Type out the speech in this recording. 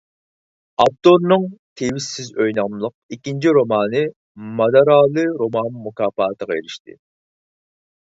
ئاپتورنىڭ «تىۋىشسىز ئۆي» ناملىق ئىككىنچى رومانى «مادارالى رومان مۇكاپاتى»غا ئېرىشتى.